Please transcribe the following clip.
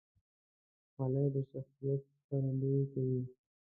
خولۍ د شخصیت ښکارندویي کوي.